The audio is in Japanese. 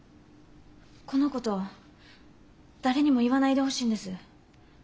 このことだれにも言わないでほしいんです。